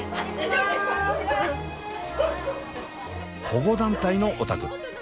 保護団体のお宅。